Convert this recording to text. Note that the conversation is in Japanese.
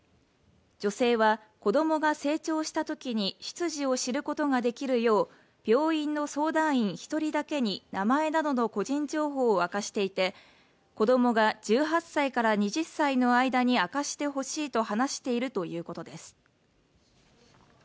女性は子供が成長したときに出自を知ることができるよう病院の相談員１人だけに名前などの個人情報を明かしていて、子供が１８歳から２０歳の間に明かしてほしいと話しているということです。